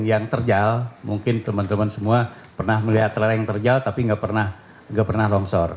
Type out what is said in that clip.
yang terjal mungkin teman teman semua pernah melihat lereng terjal tapi nggak pernah longsor